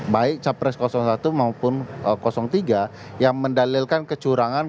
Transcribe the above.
baik capres satu maupun tiga yang mendalilkan kecurangan